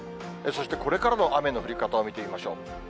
そしてこれからの雨の降り方を見てみましょう。